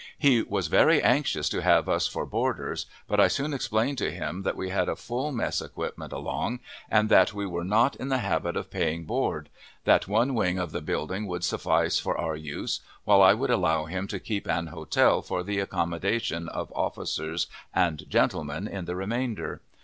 He was very anxious to have us for boarders, but I soon explained to him that we had a full mess equipment along, and that we were not in the habit of paying board; that one wing of the building would suffice for our use, while I would allow him to keep an hotel for the accommodation of officers and gentlemen in the remainder.